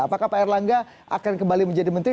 apakah pak erlangga akan kembali menjadi menteri